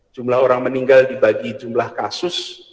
jumlah orang meninggal dibagi jumlah kasus